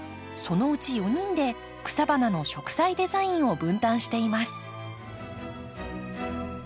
そのうち４人で草花の植栽デザインを分担しています。